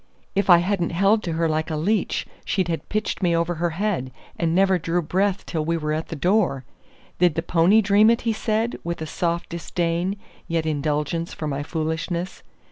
"If I hadn't held to her like a leech, she'd have pitched me over her head, and never drew breath till we were at the door. Did the pony dream it?" he said, with a soft disdain, yet indulgence for my foolishness.